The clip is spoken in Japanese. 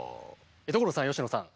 所さん佳乃さん。